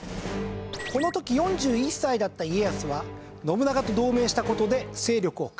この時４１歳だった家康は信長と同盟した事で勢力を拡大。